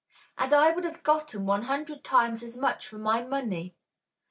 "And I would have gotten 100 times as much for my money."